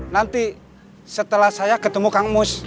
nanti setelah saya ketemu kang mus